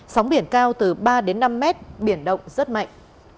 sóng biển cao từ ba năm m biển động rất mạnh